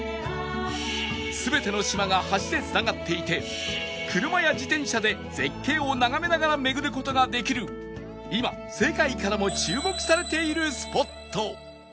全ての島が橋で繋がっていて車や自転車で絶景を眺めながら巡る事ができる今世界からも注目されているスポット